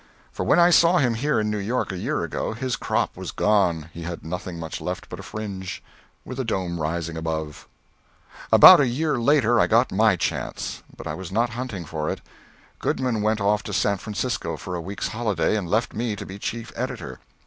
For when I saw him here in New York a year ago, his crop was gone: he had nothing much left but a fringe, with a dome rising above. [Sidenote: (1864.)] About a year later I got my chance. But I was not hunting for it. Goodman went off to San Francisco for a week's holiday, and left me to be chief editor.